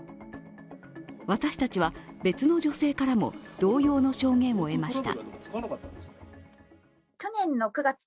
私たちは、別の女性からも同様の証言を得ました。